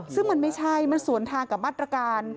ซึ่งมันไม่ใช่มันสวนทางกับมาตรการ